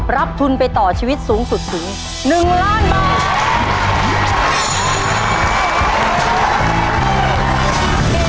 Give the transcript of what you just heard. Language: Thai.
รับทุนไปต่อชีวิตสูงสุดถึง๑ล้านบาท